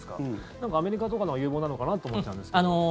なんかアメリカとかのほうが有望なのかなって思っちゃうんですけど。